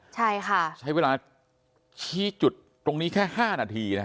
ใช้เวลาชี้จุดตรงนี้แค่๕นาที